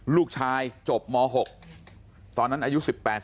ลูกชายจบม๖ตอนนั้นอายุ๑๘